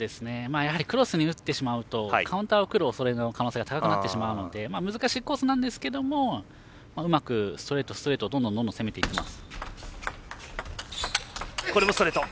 やはりクロスに打ってしまうとカウンターがくるおそれが高くなってしまうので難しいコースなんですけどうまくストレート、ストレートをどんどん攻めていっています。